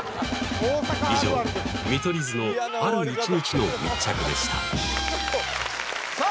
以上見取り図のある１日の密着でしたさあ